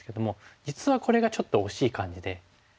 実はこれがちょっと惜しい感じで。